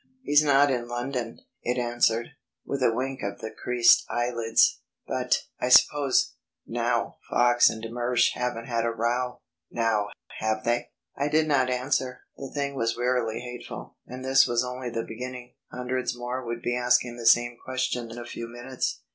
"He's not in London," it answered, with a wink of the creased eyelids, "but, I suppose, now, Fox and de Mersch haven't had a row, now, have they?" I did not answer. The thing was wearily hateful, and this was only the beginning. Hundreds more would be asking the same question in a few minutes.